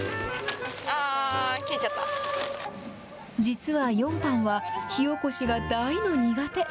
実は４班は、火おこしが大の苦手。